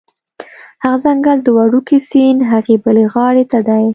هغه ځنګل د وړوکي سیند هغې بلې غاړې ته دی